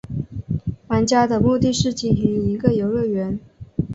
玩家的目的是经营一个游乐园。